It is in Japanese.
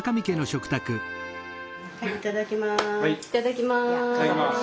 はいいただきます。